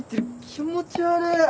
気持ち悪っ！